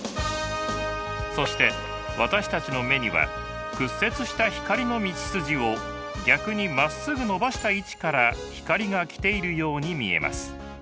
そして私たちの目には屈折した光の道筋を逆にまっすぐのばした位置から光が来ているように見えます。